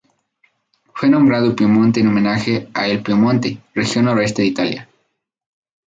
Fue nombrado Piemonte en homenaje a el Piemonte, región noroeste de Italia.